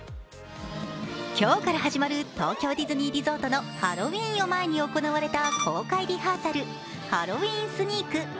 今日から始まる東京ディズニーリゾートのハロウィーンを前に行われた公開リハーサル、ハロウィーンスニーク。